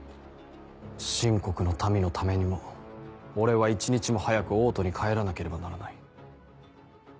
秦国の民のためにも俺は一日も早く王都に帰らなければならない。